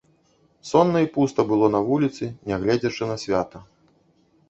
Сонна і пуста было на вуліцы, нягледзячы на свята.